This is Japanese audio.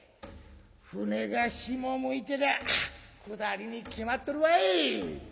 船が下向いてりゃ下りに決まっとるわい！」。